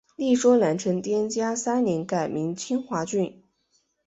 一说南陈天嘉三年改名金华郡。